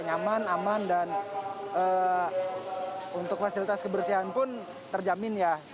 nyaman aman dan untuk fasilitas kebersihan pun terjamin ya